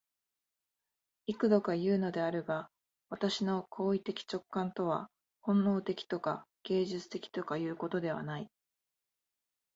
幾度かいうのであるが、私の行為的直観とは本能的とか芸術的とかいうことではない。